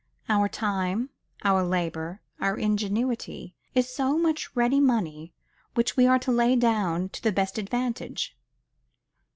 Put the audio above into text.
Our time, our labor, our ingenuity, is so much ready money which we are to lay out to the best advantage.